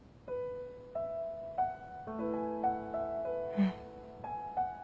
うん。